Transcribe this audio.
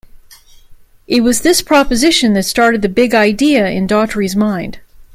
It was this proposition that started the big idea in Daughtry's mind.